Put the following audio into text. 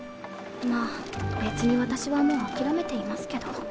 まぁ別に私はもう諦めていますけど。